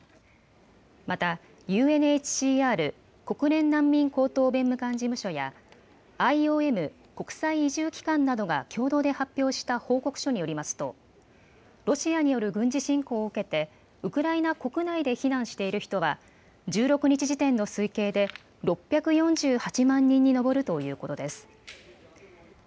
また、ＵＮＨＣＲ・国連難民高等弁務官事務所やＩＯＭ・国際移住機関などが共同で発表した報告書によりますとロシアによる軍事侵攻を受けてウクライナ国内で避難している人は１６日時点の推計で６４８万人に上るということです。